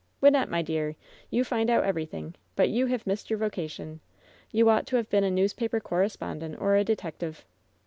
'Wynnette, my dear, you find out everything; but you have missed your vocation. You ought to have been a newspaper correspondent or a detective."